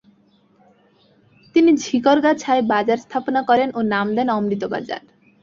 তিনি ঝিকরগাছায় বাজার স্থাপনা করেন ও নাম দেন অমৃত বাজার।